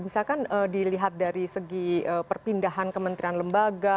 misalkan dilihat dari segi perpindahan kementerian lembaga